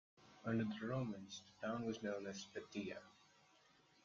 Under the Romans, the town was known as Beatia.